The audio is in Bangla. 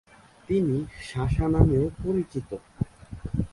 তিনি "সাশা" নামেও পরিচিত।